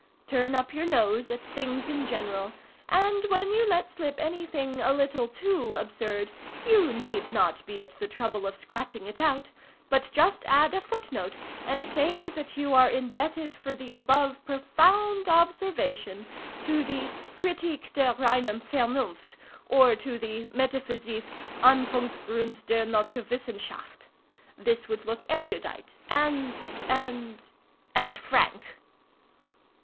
Turn up your nose at things in general, and when you let slip any thing a little too absurd, you need not be at the trouble of scratching it out, but just add a footnote and say that you are indebted for the above profound observation to the 'Kritik der reinem Vernunft,' or to the 'Metaphysithe Anfongsgrunde der Noturwissenchaft.' This would look erudite and—and—and frank.